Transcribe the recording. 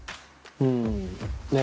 うんねえ